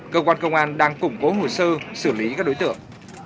cơ quan công an đang củng cố hồ sơ xử lý các đối tượng